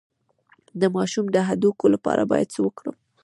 د ماشوم د هډوکو لپاره باید څه وکړم؟